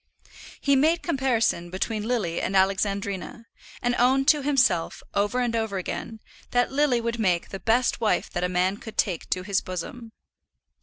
He made comparison between Lily and Alexandrina, and owned to himself, over and over again, that Lily would make the best wife that a man could take to his bosom.